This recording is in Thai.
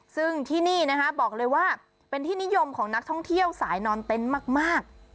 ซึ่งที่นี่นะคะบอกเลยว่าเป็นที่นิยมของนักท่องเที่ยวสายนอนเต็นต์มาก